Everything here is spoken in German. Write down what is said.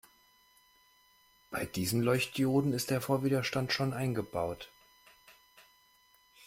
Bei diesen Leuchtdioden ist der Vorwiderstand schon eingebaut.